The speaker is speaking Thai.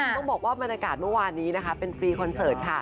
ต้องบอกว่าบรรยากาศเมื่อวานนี้นะคะเป็นฟรีคอนเสิร์ตค่ะ